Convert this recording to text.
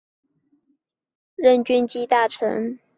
当时张之洞由湖广总督转任军机大臣。